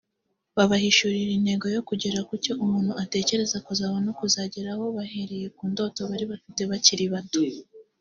babahishurira intego yo kugera kucyo umuntu atekereza kuzaba no kuzageraho bahereye ku ndoto bari bafite bakiri bato